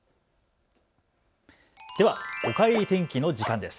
では、おかえり天気の時間です。